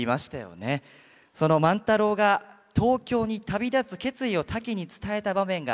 その万太郎が東京に旅立つ決意をタキに伝えた場面があります。